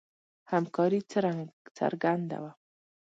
همکاري څرګنده وه.